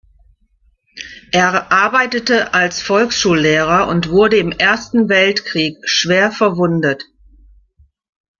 Er arbeitete als Volksschullehrer und wurde im Ersten Weltkrieg schwer verwundet.